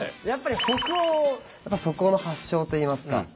やっぱり北欧そこの発祥といいますか。